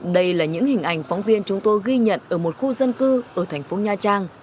đây là những hình ảnh phóng viên chúng tôi ghi nhận ở một khu dân cư ở thành phố nha trang